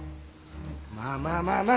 まあまあまあまあ。